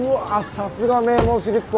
さすが名門私立校。